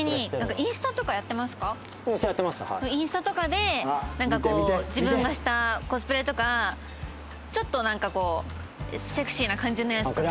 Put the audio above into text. インスタとかでなんかこう自分がしたコスプレとかちょっとなんかこうセクシーな感じのやつとかを。